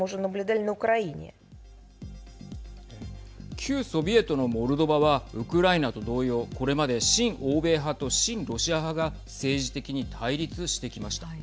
旧ソビエトのモルドバはウクライナと同様これまで親欧米派と親ロシア派が政治的に対立してきました。